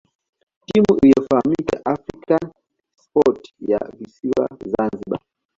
Timu iliyofahamika African Sport ya visiwani Zanzibar